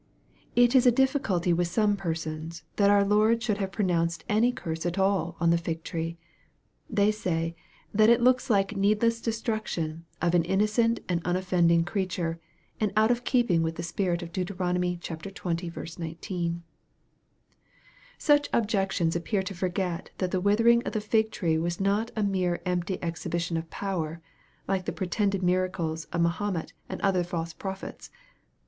It is a difficulty with some persons that our Lord should have pronounced any curse at all on the fig tree. They say, that it looks like needless destruction of an innocent and unoffending creature, and out of keeping with the spirit of Deut. xx. 19. Such objectors appear to forget that the withering of the fig tree wa? not a mere empty exhibition of power, like the pretended miracles of Mahomet and other false prophets.